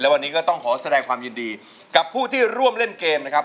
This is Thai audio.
วันนี้ก็ต้องขอแสดงความยินดีกับผู้ที่ร่วมเล่นเกมนะครับ